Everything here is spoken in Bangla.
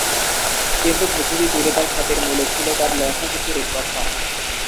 কিন্তু পৃথিবী জুড়ে তার খ্যাতির মূলে ছিলো তার লেখা কিছু রূপকথা।